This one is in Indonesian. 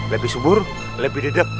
lebih subur lebih dedek